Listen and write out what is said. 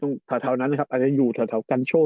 ตรงทุกถาตาท้าวนั้นครับอาจจะอยู่ทะถาถากรันโชว์